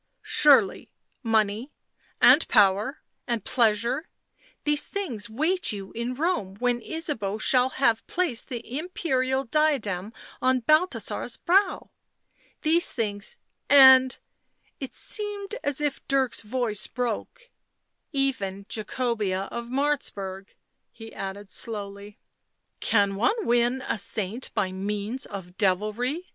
Surely — money — and power and pleasure — these things wait you in Rome when Ysabeau shall have placed the imperial diadem on Balthasar's brow. These things — and "— it seemed as if Dirk's voice broke — u even Jacobea of Martzburg," he added slowly. " Can one win a saint by means of devilry